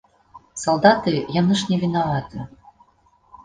Салдаты, яны ж невінаваты.